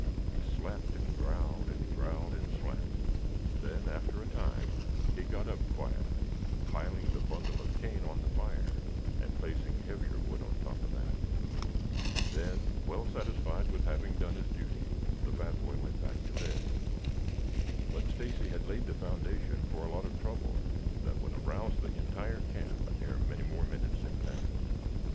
He slapped and growled, and growled and slapped; then after a time he got up quietly, piling the bundle of cane on the fire, and placing heavier wood on top of that. Then, well satisfied with having done his duty, the fat boy went back to bed. But Stacy had laid the foundation for a lot of trouble that would arouse the entire camp ere many more minutes had passed.